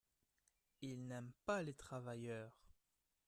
Ils n’aiment pas les travailleurs.